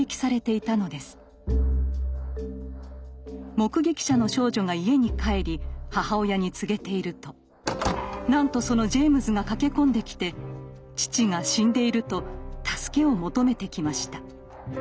目撃者の少女が家に帰り母親に告げているとなんとそのジェイムズが駆け込んできて父が死んでいると助けを求めてきました。